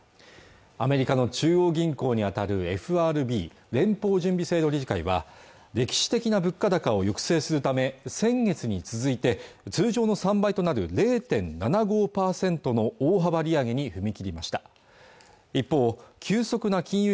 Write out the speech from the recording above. アメリカの中央銀行にあたるＦＲＢ＝連邦準備制度理事会は歴史的な物価高を抑制するため先月に続いて通常の３倍となる０．７５％の大幅利上げに踏み切りました一方急速な金融